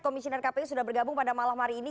komisioner kpu sudah bergabung pada malam hari ini